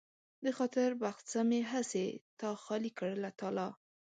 د خاطر بخڅه مې هسې تا خالي کړ له تالا